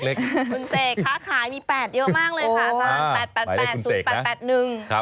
คุณเศกค้าขายมี๘เยอะมากเลยค่ะ๘๘๘๐๘๘๑